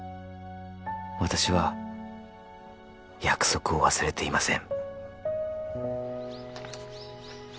「私は約束を忘れていません」